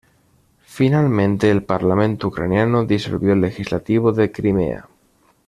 Finalmente, el Parlamento ucraniano disolvió el legislativo de Crimea.